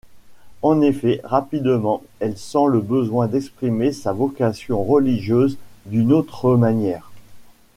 En effet, rapidement elle sent le besoin d'exprimer sa vocation religieuse d'une autre manière.